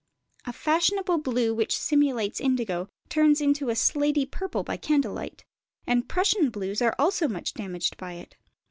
A fashionable blue which simulates indigo turns into a slaty purple by candle light; and Prussian blues are also much damaged by it.